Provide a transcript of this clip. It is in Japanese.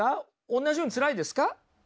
おんなじようにつらいですか？